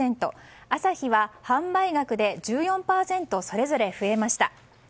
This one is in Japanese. アサヒは販売額で１４％それぞれ増えました。